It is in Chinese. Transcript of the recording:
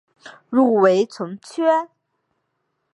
入围从缺。